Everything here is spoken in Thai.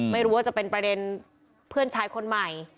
ไม่รู้ว่าจะเป็นประเด็นเพื่อนชายคนใหม่